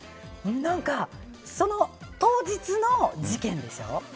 何かその当日の事件でしょ。